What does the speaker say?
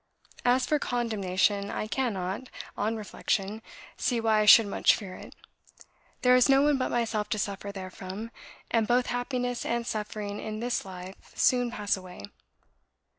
As for condemnation I cannot, on reflection, see why I should much fear it; there is no one but myself to suffer therefrom, and both happiness and suffering in this life soon pass away.